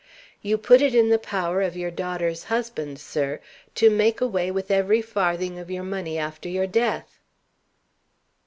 You put it in the power of your daughter's husband, sir, to make away with every farthing of your money after your death."